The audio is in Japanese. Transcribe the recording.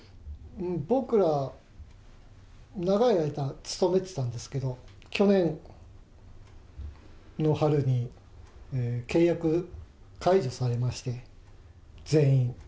僕ら長い間勤めてたんですけど、去年の春に契約解除されまして、全員。